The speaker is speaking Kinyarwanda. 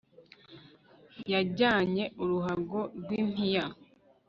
Yajyanye uruhago rwimpiya